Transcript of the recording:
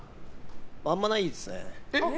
あんまないですね。